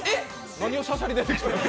何をしゃしゃり出て。